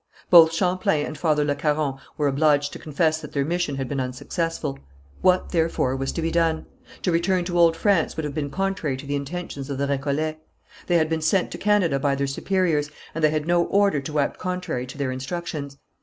Both Champlain and Father Le Caron were obliged to confess that their mission had been unsuccessful. What, therefore, was to be done? To return to Old France would have been contrary to the intentions of the Récollets. They had been sent to Canada by their superiors, and they had no order to act contrary to their instructions.